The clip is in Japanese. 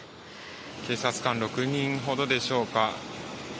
警察官６人ほどでしょうか。